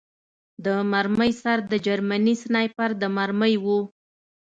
د مرمۍ سر د جرمني سنایپر د مرمۍ و